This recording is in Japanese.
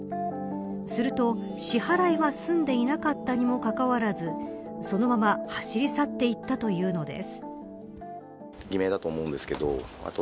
すると、支払いは済んでいなかったにもかかわらずそのまま走り去っていったというのです。